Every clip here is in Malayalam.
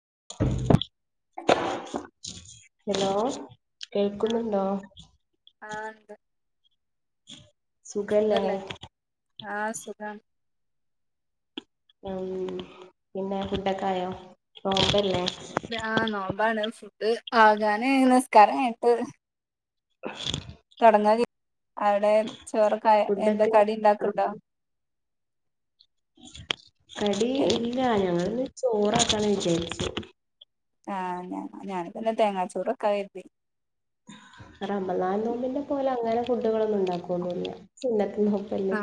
[inaudible] ഇലോ ഹലോ കേൾക്കുന്നുണ്ടോ ആ ഉണ്ട് സുഖല്ലഹ ആഹ സുഖം ഉ പിന്നെ കുട്ടക്കായോ സോമ്പല്ലേ ആഹ് നോമ്പാണ് ഫുഡ് ആകാന് നസ്കാരം ആയിട്ട് ആഹ തുടങ്ങാ അവിടെ ചോറക്ക എന്താ ഫുഡൊക്കെ കടി ഉണ്ടാക്കണ്ടോ അടി ഇല്ല ഞങ്ങള്ന്ന് ചോറാക്കണ വിചാരിച്ചു ആഹ ഞ ഞാാന തന്നെ തേങ്ങാച്ചൂറൊക്കെ എരുുതി റമളാൻ നോമ്പിന്റെ പോലെ അങ്ങനെ ഫുഡുകളൊന്നും ഉണ്ടാക്കന്നല്ല ചിന്നത്തി ഒൊപ്പല്ലേ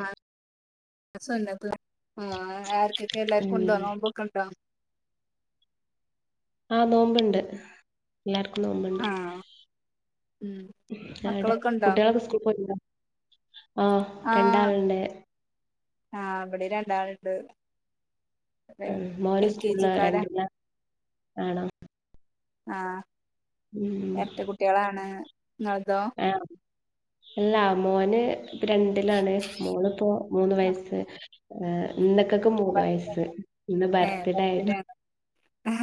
ആഹ ആർക്കൊക്കെ എല്ലാർക്കും ഉം ഉണ്ടോ നോ നമ്പൊക്കെ ഉണ്ടോോ ആഹ് നോമ്പുണ്ട് എല്ലാർക്കും നോമ്പണ്ട് ആ ഉം ആട്ടെ മക്കളൊക്കെ ഉണ്ടോ കുട്ടികളൊക്കെ സ്കൂൾ പോയിണ്ടോ ആ രണ്ടാളുണ്ട് ആഹ അവിടെ രണ്ടാളണ്ട് ഉ മോനസ്റ്റുള്ള രണ്ടിന ആണോ ആഹ ഉം എട്ട കുട്ടികളാണ് നിതോ അല്ലാ മോന് ഇപ്പ രണ്ടിലാണ് മോള് ഇപ്പോ മൂന്ന് വയസ്സ് ർ ഇന്നക്കൊക്കെ മൂന്ന് വയസ്സ് ഇന്ന് ഏ ബർത്ത്ഡേ ആയിരുന്നു പത്തിലാണ്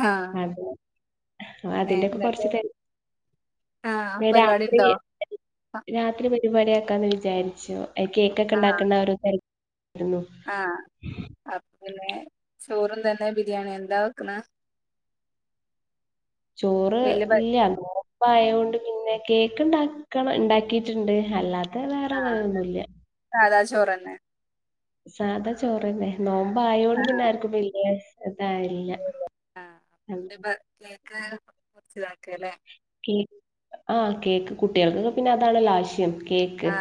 ആ അതെ അതിന്റെൊക്കെ കൊറച്ച് തര ആഹ പരിപാടി ഉണ്ടോ രാത്രി പരിപാട ആക്കാന്ന് വിചാരിച്ചു കേക്കൊക്കെ ആ ഉണ്ടാക്കുന്നോ തര അന്ന ആ അപ്പൊ പിന്നെ ചോറും തന്നെ ബിരിയാണി എന്താ വെക്കുന്ന ചോറ് ഇല്ല അങ്ങനപ്പ ആയൊണ്ട് പിന്നെ കേക്ക് ഉണ്ടാക്കണം ഉണ്ടാക്കിട്ടുണ്ട് അല്ലാത്ത ആ വേറെങ്ങന ഒന്നുമല്ല സാധാ ചോറന്നെ സാധാ ചോറന്നെ നോമ്പ ആ ആയോണ്ട് പിന്നെ ആർക്കും പിില്ലേ അതായില്ല ആ പിന്നെ പ കേക്ക് മുറിച്ചിതാക്കല്ലേ ക്ക് ആഹ കേക്ക് കുട്ടികൾക്കൊക്കെ പിന്നെ അതാണ ലാശ്യം എ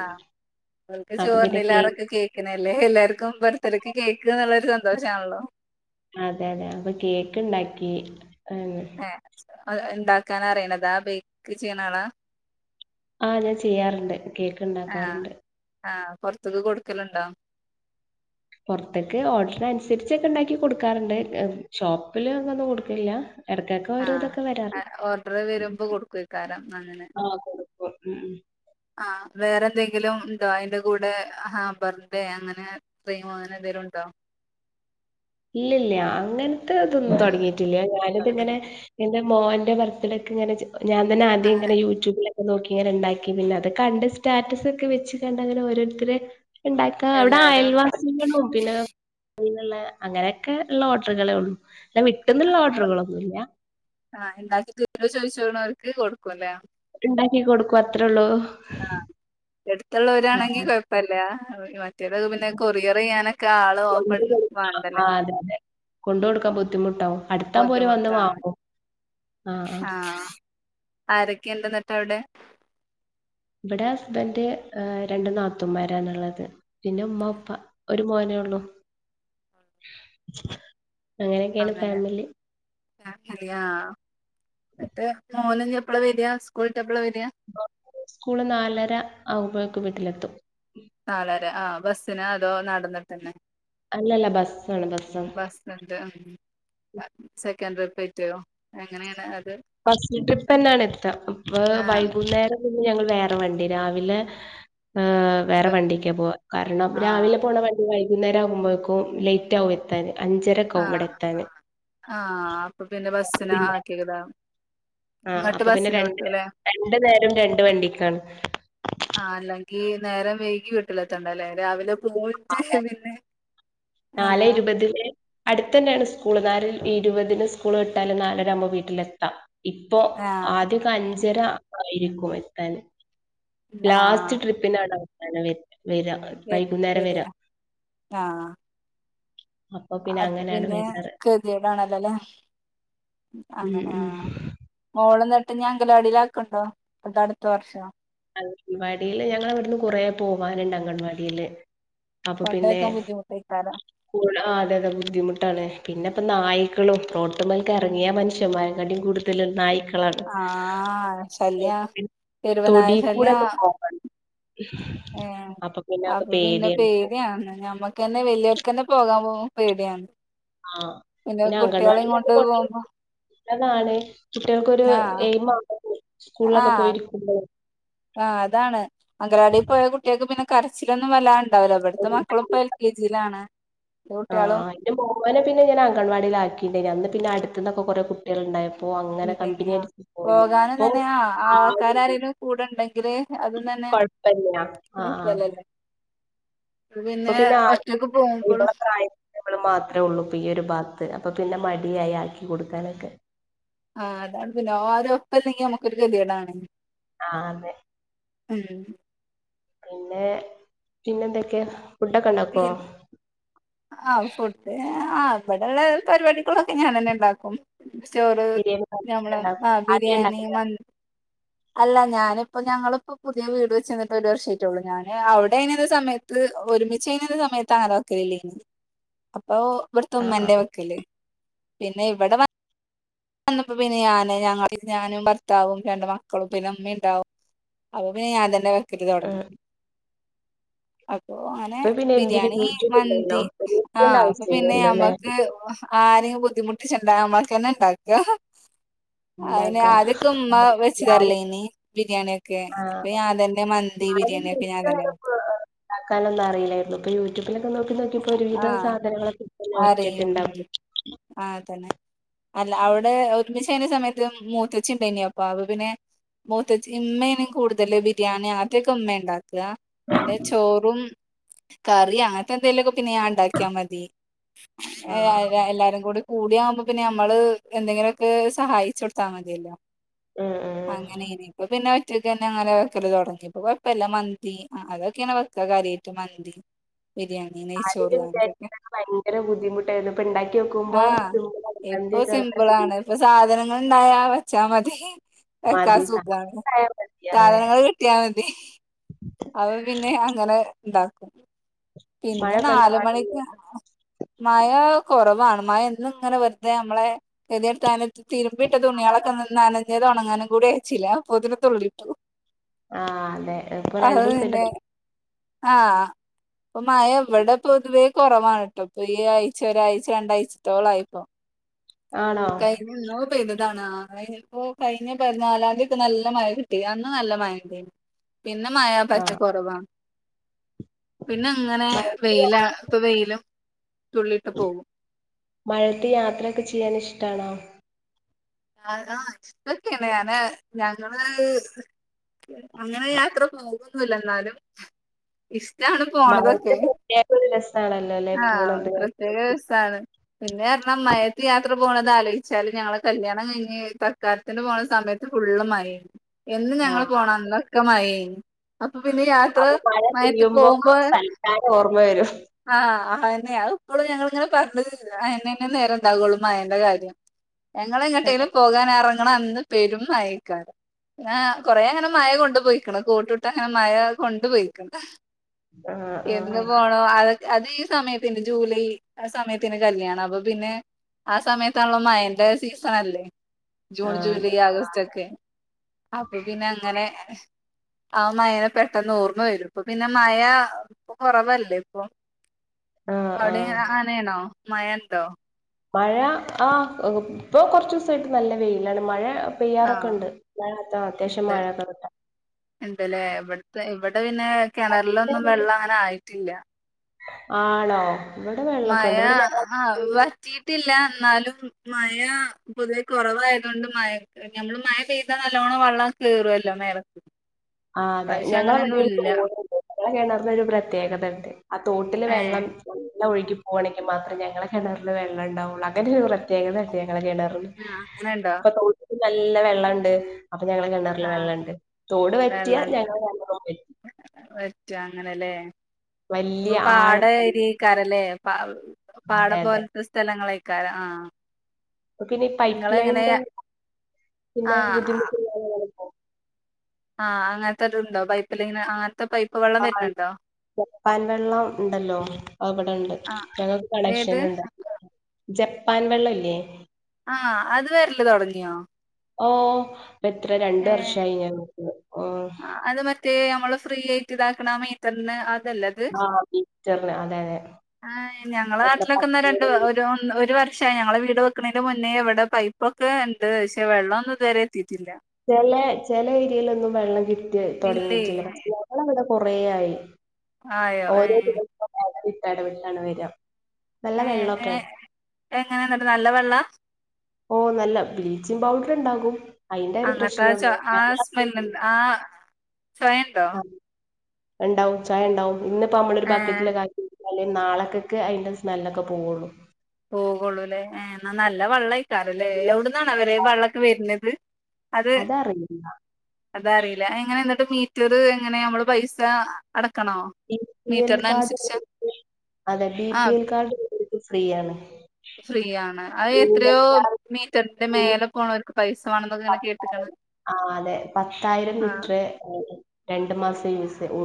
അവക്ക് ചോറിണല്ലാരൊക്കെ കേൾക്കണല്ലേ എല്ലാവർക്കും ബർത്ത്ഡേ ഒക്കെ കേക്ക എന്ന സന്തോഷ ആണല്ലോ അതെ അതെ അപ്പൊ കേക്ക് ഉണ്ടാക്കി ആഹ് ഏ ഉണ്ടാക്കാൻ അറിയണതാ ബേക്ക് ചെയ്യണാണാ ആഹ ഞാൻ ചെയ്യാറുണ്ട് കേക്ക് ഉണ്ടാക്കാറുണ്ട് പുൊറത്തക്ക് കൊടുക്കലുണ്ടോ പുറത്തേക്ക് ഓർഡറി അനുസരിച്ചൊക്കെ ഉണ്ടാക്കി കൊടുക്കാറുണ്ട് ഷോപ്പില് അങ്ങ ഒന്നും കൊടുക്കല്ല ഇടക്കൊക്കെ ആ ഓരോതൊക്കെ വരാറ് ഓർഡർ വരുമ്പോ കൊടുക്കുവക്കാരം ഓ ആ വേറെ എന്തെങ്കിലും ഉന്തോ അയിന്റെ കൂടെ ആ ബർഡേ അങ്ങനെത്ര അനെ പേരുണ്ടോ [inaudible] ഇല്ലല്ല അങ്ങനത്തെ അതൊന്നും ആഹ് തുടങ്ങിട്ടില്ല ഞാനിത്ങ്ങനെ എറെ മോൻ എ ബർത്ത്ഡേ ഒക്കെങ്ങനെ ഞാൻ തന്ന ആദ്യം അങ്ങനെ ഇങ്ങന യൂട്യൂബില നോക്കി ഇങ്ങനെ ഉണ്ടാക്കി പിന്നെ അത് കണ്ട് സ്റ്റാറ്റസ ഒക്കെ വെച്ച് കണ്ട അങ്ങനെ ഓരോരുത്തരെ ഉണ്ടാക്ക അവിടെ എല്ലാരും അയൽവാസികളും പിന്നെുള്ള. അങ്ങനെക്കെ ഇള്ള ഓഡറ്കളേ ഉള്ളൂ വിട്ടുന്നുള്ള [unintelligible] ഓർഡറുകളൊന്നുമില്ല ആഹ് ഇണ്ടാക്കി തരൂന്ന് ചോദിച്ചോണോർക്ക് കൊടുക്കും അല്ലേ ഉണ്ടാക്കി കൊടുക്കും അത്രേ ഉള്ളൂ ആഹ് എടുത്തൊള്ളോരാണെങ്കി കൊഴപ്പല്ല കിട്ടിയത് പിന്നെ മാക്സിമം കൊറിയർ ചെയ്യാനൊക്കെ ആള് കൊണ്ട് ഓപ്പൺ കൊടുക്കുക ആ വേണ്ടല്ലേ. അതെ അതെ കൊണ്ട് കൊടുക്കാൻ ബുദ്ധിമുട്ടാവും അടുത്താകുമ്പോൾ ഓര് വന്ന് ബുദ്ധിമുട്ടാണ് വാങ്ങും ആ ആ ആഹ് ആരെക്കെ ഇണ്ടന്ന് ത്തവിടെ ഇവിടെ ഹസ്ബൻഡ് ഏഹ് രണ്ടു നാത്തൂന്മാരണുള്ളത് പിന്നെ ഉമ്മ ഉപ്പ ഒരു മോനേ ഉള്ളൂ അങ്ങനെയൊക്കെയാണ് അങ്ങനെ ഫാമിലി. ആഹ് ന്നിട്ട് മോന് ഇനി എപ്പള വര്യ സ്കൂളി സ്കൂള് നാലര ആവുമ്പോഴേക്ക് വീട്ടിലെത്തും നാലര ആഹ ബസ്സിന് അതോ നടന്നിട്ടന്നെ അല്ലല്ല ബസ്സാണ് ബസ്സാണ് ബസ് സ്റ്റാൻ് അഹ് സെക്കന്റ് [unintelligible] പറ്റോ എങ്ങനെയാണ് ഓ ഫസ്റ്റ്ട്രിപ്പിൽ തന്നാണ് എടുത്ത അപ്പ ആഹ് വൈകുന്നേരം ഇഞ് ഞങ്ങൾ വേറെ വണ്ടി രാവിലെ. മ്ഹ് വേറെ വണ്ടിക്കാ പോവാ കാരണം ആഹ് രാവിലെ പോണ വണ്ടി വൈ കുന്നേരം ആകുമ്പൊഴെക്കും ലേറ്റ് ആവും എത്താന് അഞ്ചരക്കെ ആകും ആഹ് ഇവിടെ എത്താന് ആഹ് ആഹ് അപ്പൊ പിന്നെ അപ്പൊ ബസിന് പിന്നെ ആക്കി വിടാം ആഹ് അപ്പൊ പിന്നെ രണ്ട് രണ്ടു നേരോം രണ്ട് വണ്ടിക്കാണ്. ഈ നേരം വൈകി വിട്ടലെത്തണ്ട അല്ലേ രാവിലെ പോയിട്ട് പിന്നെ നാലേ ആഹ് ഇരുപതിനേ അടുത്തന്നെയാണ് സ്കൂള് നാല് ഇരുപതിന് സ്കൂള് വിട്ടാലും നാലര ആവുമ്പോ വീട്ടിലെത്താം ഇപ്പൊ ആഹ് ആദ്യക്കെ അഞ്ചര ആയിരിക്കും എത്താന്. ലാസ്റ്റ് ആഹ് ട്രിപ്പിനാണ് അവസാനം വെരുന്നെ വെരാം വ വൈകുന്നേരം വരിക വെരാം അഹ് പിന്നെ ഗതികേട് ആണല്ലോ അല്ലേ മ്ഹ് ഉം അങ്ങന ആഹ് ഉം മോള് എന്താണ് ഇപ്പ ഞാൻ അംഗനവാടിയിലാക്കുമ്പോ അത് അടുത്ത വർശോം അംഗൻവാടീല് ഞങ്ങള ഇവിടുന്ന് കൊറേ പോവാനുണ്ട് അംഗൻവാടിയില്. അപ്പൊ പിന്നെ കൊണ്ടാക്കാൻ ബുദ്ധിമുട്ടേക്കാരം ക അതെ അതെ ബുദ്ധിമുട്ടാണ്. പിന്നെ ഇപ്പം നായ്ക്കളുംറോട്മ്മേലക്ക ഇറങ്ങിയ മനുഷ്യൻമാരെ കൂടുതൽ നായ്ക്ക് [unintelligible] ആഹ് ശല്യം തെരുവ് തൊടി കൂടെ ഒക്കെ പോവൺ ഏയെ അത് അപ്പൊ പിന്നെ പേടിയാണ് പേടിയാ ഞമ്മക്ക് തന്നെ വലിയോർക്ക് തന്നെ പോകാവൊ പേടിയാണ് ആ പിന്നെ കുട്ടികളെയും കൊണ്ട് പോകുമ്പോ നല്ലതാണ് കുട്ടികൾക്കൊരു ആഹ് എയിമാണ് സ്കൂളിലൊക്കെ ആഹ് പോയിരിക്കുമ്പളെ ആഹ് അതാണ് അംഗലവാടിൽ പോയ കുട്ടികക്ക് പിന്നെ- കരച്ചിലൊന്നും വലുതായി ഒണ്ടാവില്ല ഇവിടത്തെ മക്കളും ഇപ്പൊ എൽ കെ ജിയിലാണ് ആ കുട്ടികളും അതിന്റെ മൂത്തേനെ പിന്നെ ഞാൻ അംഗൻവാടിയില് ആക്കി അന്ന് പിന്നെ അടുത്തന്നൊക്കെ കൊറേ കുട്ടികളയുണ്ടായിരുന്നു ഇണ്ടെങ്കി ആഹ് പോകാനും തന്നെ ആഹ് ആൾക്കാര് ആരേങ്കിലും കൂടെ ഉണ്ടെങ്കില് അത് ന്ന കൊഴപ്പില്ല ആഹ ആ അപ്പ പിന്നെ ആര് ഒറ്റക്ക് ഇവള പോകുമ്പോഴും പ്രായത്തിൽ ഇവള് മാത്രേ ഒള്ളൂ ഇപ്പൊ ഈ ഒരു ഭാഗത്ത് അപ്പൊ പിന്നെ മ ടിയായി ആക്കി കൊടുക്കാനൊക്കെ ആഹ് അതാണ് പിന്നെ ആരും ഒപ്പം ഇല്ലെങ്കി നമ്മുക്കൊരു ഗതികേട് ആണ് ആഹ് അതെ ഉം. പിന്നെ പിന്നെ എന്തൊക്കെയ [unintelligible] ആഹ് ഫുഡ് ആഹ് ഇവടെള്ള പരിപാടികൊക്കെ ഞാൻ തന്നെണ്ടാക്കും സ്റ്റോറ് ബിരിയാണി ഞമ്മള് ആ ഉണ്ടാക്കും ആദ്യേ ബിരിയാണി മ ഉണ്ടാക്കലാ അല്ല ഞാനിപ്പോ ഞങ്ങളിപ്പോ പുതിയ വീട് വെച്ച്ന്നിട്ട് ഒരു വർഷ ആയിട്ടുള്ളൂ ഞാന് അവിടെയിന്നത് സമയത്ത് ഒരുമി ചെയ്യുന്ന സമയത്താര [unintelligible] അപ്പൊ ഇവിടത്തെ ആഹ് ഉമ്മന്നെ ആഹ് വെക്കല് പിന്നെ ഇവടെ വ ന്നപ്പോ പിന്നെ ഞാന് ഞങ്ങ ഞാനും ഭർത്താവും രണ്ട് മക്കളും പിന്നെ മ്മീംണ്ടാവും അപ്പൊ പിന്നെ ഞാൻ തന്നെ വെക്കല് തൊടങ്ങി ഉം അ ഓ അനെ ഇപ്പൊ പിന്നെ എന്തിനും ബിരിയാണി യൂട്യൂബ് ഉണ്ടല്ലോ മന്തി ആ പേടിക്കേണ്ട അപ്പൊ പിന്നെ ആവശ്യല്ലല്ലോ ല്ലേ അമ്മക്ക് ആരെ ബുദ്ധിമുട്ടിച്ചണ്ടാ അമ്മക്കെന്നെ ണ്ടാക്കാ ഇണ്ടാക്ക അയിന്ആദ്യൊക്കെ ഉമ്മ ഞാന് വെച്ച്തരലേന് ബിരിയാണി ഒക്കെ ആഹ് ഇപ്പ ഞാതന്നെ മന്തി ബിരിയാണിയൊക്കെ ഞാൻ തന്നെ വെക്ക് ക്കാനൊന്നും അറിയിലായിരുന്നു ഇപ്പ യൂട്യൂ ലൊക്കെ നോക്കി നോക്കിപ്പോ വെക്കും ഒരുവിധം ആഹ് സാധനങ്ങളൊക്കെ ഒറ്റക്ക്ണ്ടാകും ആ തന്നെ അല്ല അവടെ എന്തേൽ ചെയ്യണ സമയത്ത് മൂത്തച്ചിണ്ടേർന്നു അപ്പ അപ്പ പിന്നെ മൂത്തച്ചി ഇമ്മേനും കൂടുതല് ബിരിയാണി ആദ്യൊക്കെ ഉമ്മേണ്ടാ കാ പിന്നെ ചോറും കറി അങ്ങനത്തെന്തെലൊക്കെ പിന്നെ ഞാൻണ്ടാക്കിയാൽ മതി എ ആഹ് എല്ലാരും കൂടി കൂടിയാവുമ്പോ പിന്നെ അമ്മള് എന്തെങ്കിലൊക്കെ സഹായിച്ചൊട്താ മതിയല്ലോ ആഹ് ഉം ഉം അങ്ങനേന്ന് ഇപ്പ പിന്നെ ഒറ്റൊക്കെന്നെ അങ്ങനെ വെക്കല് തുടങ്ങിപ്പൊകൊഴപ്പല്ല മന്തി അ അതൊക്കെണ് വെക്ക കാര്യായിട്ട് മന്തി ബിരിയാണി നെയ്ച്ചോറ് ആദ്യം വിചാരിച്ചത് അങ്ങനെതൊക്കെ ഭയങ്കര ബുദ്ധിമുട്ടായിരുന്നു ഇപ്പണ്ടാക്കി യോക്കുമ്പോ ആഹ് മന്തിയൊക്കെ നല്ല സി നന്നായാ വെച്ചാമതി വെക്കാ മതി സുഖാണ് ആയാ മതി അതെ സാധനങ്ങള് കിട്ടിയാ മതി അവ പിന്നെ അങ്ങനെണ്ടാക്കും പിന്നെ മഴയൊക്കെ ഉണ്ടോ നാല് നാട്ടില് മണിക്ക് മഴാ കുറവാണ് മഴന്നുങ്ങനെ വെറുതെ നമ്മളെ കെതിയെടുത്താന് തിരുമ്പിട്ട തുണികളൊക്കെ ന്നനഞ്ഞതൊണങ്ങാനും കൂ വേ ച്ചില പൊതിരെത്തുള്ളിട്ടു ആ അതെ ഇപ്പൊ രണ്ടൂസായിട്ട് [unintelligible] ആ പ്പൊ മഴ ഇവിടെ പൊതുവേ കൊറവാണ് ട്ടോ പ്പൊ ഈ ആഴ്ച ഒരാഴ്ച രണ്ടാഴ്ചത്തോളായിപ്പോ ആണോ കഴിഞ്ഞ എന്നോ പൈത താണ് ആകെപ്പോ കഴിഞ്ഞ പതിനാലാംതി ഒക്കെ നല്ല മഴ കിട്ടി അന്ന് നല്ല മഴണ്ടായിന്നു പിന്നെ മഴ പറ്റ ആഹ് കുറവാണ് പിന്നെങ്ങനെ മഴയത്ത് വെയിലാണ് ഇപ്പൊ വെയിലും തുള്ളിട്ട് പോകും മഴത്ത് യാത്രക്കെ ചെയ്യാനിഷ്ടണോ ആ കാ ഇഷ്ടൊക്കെണ് ഞാന് ഞങ്ങള് അങ്ങനെ യാത്ര പോകൊന്നുല്ലന്നാലുംഇഷ് ടാണ് മഴയത്ത് പോണതൊക്കെ പ്രത്യേക ഒരു രസാണല്ലോ അല്ലെ ആ പോണത് പ്രത്യേകരസാണ് പിന്നെറഞ്ഞ മഴേത്ത് യാത്ര പോണത് ആലോയിച്ചാല് ഞങ്ങളെ കല്യാ ണം കഴിഞ്ഞ് തക്കാരത്തിന് പോണ സമയത്ത് ഫുള്ളും മഴേന്ന് എന്ന് ആഹ് ഞങ്ങള് പോണ അന്നൊക്കെ മഴേന്ന് അപ്പൊ പിന്നെ യാത്ര അപ്പൊ മഴ മയേത്ത് പെയ്യുമ്പോ പോകുമ്പോ സൽക്കാരം ഓർമ്മ വരും ആ അയ ന്നെ അ ഇപ്പളും ഞങ്ങളിങ്ങനെ പറഞ്ഞ് [unintelligible] അയിനന്നെ നേരണ്ടാവുള്ളു മയന്റെ കാര്യം ഞങ്ങള ട്ടേലും പോകാനറങ്ങണ അന്ന് പെരും മഴേക്കാരം ങ്ങാ കൊറേ അങ്ങനെ മഴ കൊണ്ട്പോയിക്ക്ണ് കോട്ട്ട്ട് അ മഴ കൊണ്ട്പൊയ്ക്ണ് ആഹ് എന്ന് ആഹ് പോണു അ അത് ഈ സമയത്തിണ്ട് ജൂലൈ ആ സമയത്തെന്നു കല്യാണം അപ്പൊ പിന്നെ ആ സമയത്താണല്ലോ മഴന്റെ സീസണല്ലേ ജൂൺ ആഹ് അതെ ജൂലൈ ആഗസ്റ്റ് ഒക്കെ അപ്പൊ പിന്നങ്ങനെ ആ മയേനെ പെട്ടെന്ന് ഓർമ വരും ഇപ്പൊ പിന്നെ മയ കൊറവല്ലേ ഇപ്പൊ ആഹ് അവിടെ ആഹ് ആനയണോ മയൻന്തോ മഴ ആ ഇപ്പൊ കുറച്ചീസായിട്ട് നല്ല വെയിലാണ് മഴ പെയ്യാറൊക്കെ ആഹ് ഉണ്ട് അത്ത അത്യാവശ്യം ഉണ്ട് മഴ കറട്ട ഉണ്ടല്ലേ ഇവിടുത്തെ ഇവിടെ പിന്നെ കിണറിലൊന്നും വെള്ളം അങ്ങനെ ആയിട്ടില്ല ആണോ ഇവിടെ വെള്ളമൊക്കെ മയ ഉണ്ട് ഇവിടെ ഞങ്ങ ആ വറ്റിട്ടില്ല എൺന്നാലും മഴ പൊതുവേ കൊറവായതുകൊണ്ട് മ നമ്മള് മഴ പെയ്താ നല്ലോണം വെള്ളം കേറുവല്ലോ മേള് ആ അതെ ഞങ്ങളവിടെ ഒരു തോട്ണ്ട് ഞെ കേണറിന്ന ഒരു പ്രത്യേകതണ്ട് ആ തോട്ടില് ഏ വെള്ളം വെല്ല ഒഴികി പോകണെങ്കിൽ മാത്രേ ഞങ്ങളെ കിണറില് വെള്ളംണ്ടാവുള്ളൂ അങ്ങന ഒരു പ്രത്യേകതയട്ടേ ണറും ആ അങ്ങനെണ്ടോ ഇപ്പൊ തോട്ടില് നല്ല വെള്ളം ഉണ്ട് അപ്പൊ ഞങ്ങള് കെണറിലല് ആ വെള്ളംണ്ട് തോട് വറ്റിയ വെള്ളണ്ട് ഞങ്ങ വെള്ള വറ്റി റ്റ അങ്ങനെല്ലേ അപ്പൊ വല്യ പാട ആഴം ഏരിക്കാരല്ലേ പ അതെ പാടം അതെ പോലത്തെ സ്ഥലങ്ങളേക്കാല ആഹ പിന്നെ ഈ പൈപ്പ് ലൈന്റെ ആ പിന്നെ ബുദ്ധിമുട്ടുകള ആഹ് അങ്ങനത്തെരുണ്ടോ പൈപ്പില് ഇങ്ങനെ അ ഇപ്പൊ വെള്ളം ആ വരണൊണ്ടോ ജപ്പാൻ വെള്ളം ണ്ടല്ലോ അവിടെണ്ട് ആ ഞങ്ങൾക്ക് കണക്ഷൻ ഏത് ഉണ്ട ജപ്പാൻ വെള്ള ഇല്ലേ ആ അത് വരല് തൊടങ്ങിയോ ഓ എത്ര രണ്ട ഏ വർഷമായി ഞാൻ നക്കത് അത് മറ്റേ നമ്മള് ഫ്രീ ആയിട്ട് ഇതാക്കണ വേ തന്നെ ആഹ ബീറ്റർന് അതെ അതെ ആ ഞങ്ങളെ എത്ര നാട്ടിലെക്കുന്ന ര പത്ത് ണ്ട് ഒര് ന്ന് പക്ഷെ ഞങ്ങളെ വീട് വെക്കണേന് മുന്നേ ഇവിടെ പൈപ്പൊക്കെ ഉണ്ട് പക്ഷെ വെള്ളമൊന്നും ഇതുവരെ എത്തിയിട്ടില്ല ച ചെല ഏരിയലൊന്നും വെള്ളം കിട്ടി ഇല്ലേ തുടങ്ങിയിട്ടില്ല പക്ഷടെ കൊറെയായി ആയോ ഓരോ ഏഹ് ദിവസം എടവിട്ടെടവിട്ടാണ് വരാ ഏ ഏ എങ്ങനെ ന്ന്ട്ട് നല്ല വെള്ള ഓ നല്ല ബ്ലീച്ചിങ് പൗഡർ ണ്ടാകും അങ്ങനത്തെ ആ ച ആ സ്മെല്ണ്ട് ആ ചൊ ഉണ്ടോ ആ ഉണ്ടാവും ചായ ഉണ്ടാവും ഇന്നപ്പമ്മളൊരു ഏഹ് ബക്കറ്റില കാര്യ അല്ലെ നാളക്കൊക്കെ അതിന്റെ സ്മെല്ലൊക്കെ പോവുള്ളൂ പോകൊള്ളൂല്ലേ ഏ എന്നാ നല്ല വെള്ളം കഴിക്കാറല്ലേ പിന്നെ എവിടുന്നാണ അവരെ വെള്ളമൊക്കെ വരുന്നത് അത് അതറിയില്ല അതറിയില്ല എങ്ങനെ എന്നിട്ട് മീറ്ററ് എങ്ങനെയ മ്മള് പൈസ അടക്കണോ ബി പി എൽ മീറ്ററിന കാർഡ് അനുസരിച്ച് അതെ B P L card free ആണ് ഫ്രീ ആണ് അത് മിനിമം എത്രയോ ചാർജ് മീറ്ററിന്റെ മേലെ പോണ ആ അതെ പത്തായിരം ആഹ് ലിറ്റർ രണ്ട് മാസ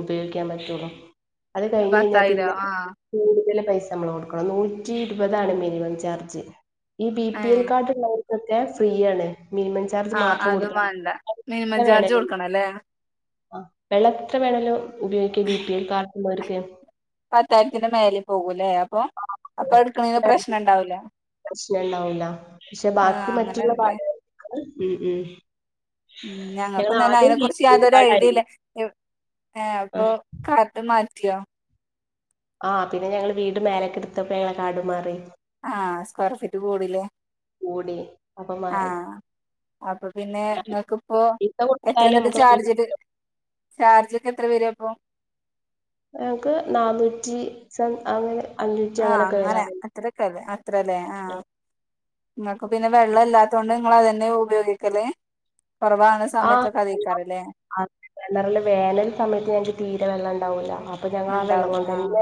ഉപയോഗിക്കാൻ പറ്റുള്ളൂ അത് കഴിഞ് കഴിഞ്ഞാ പത്തായിരോ പിന്നെ ആഹ് കൂടുതൽ പൈസ സമ്മള് കൊടുക്കണം. നൂറ്റി ഇരുപതാണ് മിനിമം ചാർജ്. ഈ ബി പി എൽ ഏഹ് കാർഡ്ള്ള ർക്കൊക്ക ഫ്രീ ആണ്. മിനിമം ചാർജ് ആഹ് മാത്രം അതും കൊടുത്ത വാണ്ട മിനിമം വേണ ചാർജ് കൊടുക്കണല്ലേ ആ വെള്ളം എത്ര വേണേല് ഉപയോഗിക്കാ ബിപിൽ കാർഡ്ള്ളവർക്ക് പത്തായിരത്തിന്റെ മേലെ പോകൂലേ അപ്പൊ അപ്പൊ എടുക്കണേന്ന് പ്രശ്നംണ്ടാവൂല പ്രശ്ന ഉണ്ടാവൂല പക്ഷെ ആഹ് ബാക്കി മറ്റുള്ള അങ്ങനെണ്ല്ലേ കാർഡ് ഉം ഞങ്ങൾക്കുംന്നന്നെ അതിനെ കുറിച്ച് യാതൊരു കാർഡായിരുന്നു ഐഡിയില്ല ഏ അപ്പൊ കാർഡ് മാറ്റിയോ ആഹ് പിന്നെ ഞങ്ങള് വീട് മേലൊക്കെ എടുത്തപ്പോ ഞങ്ങ കാടു മാറി. ആഹ് സ്ക്വയർ ഫീറ്റ് കൂടിലേ കൂടി അപ്പൊ മാറി അപ്പൊ പിന്നെ ങ്ങക്ക് ഇപ്പോ പൈസ എത്ര കൊടുത്താലും ന്ന്ട്ട് നമുക്ക് ചാർജിൽ ചാർജ് എത്ര പേരാപ്പോ ഞങ്ങക്ക് നാന്നൂറ്റി സം അങ്ങനെ അഞ്ഞൂറ്റി ആഹ് അങ്ങനെയൊക്കെ അങ്ങനെ വരാറുണ്ട് അത്രൊക്കല്ലേ അത്രല്ലേ ആഹ് ഉം ഇങ്ങ അപ്പ പിന്നെ വെള്ളം ഇല്ലാത്തൊണ്ട് ങ്ങള് അതന്നെ ഉപയോഗിക്കല് കുറവാണ് ആഹ് സമയത്തൊക്കെ അതേക്കാരല്ലേ ള്ളറൽ വേനൽ സമയത്ത് നങ്ങക്ക് തീരെ വെള്ളണ്ടാവൂല [unintelligible] ഉണ്ടാവൂല ആഹ്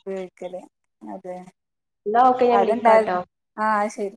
ഉപയോഗിക്കല് അതെ എന്നാ ഓക്കെ ഞാൻ അതന്നെ വിളിക്കാട്ടോ അതന്നെ ആഹ് അഅ് ശരി